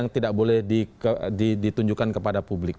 yang tidak boleh ditunjukkan kepada publik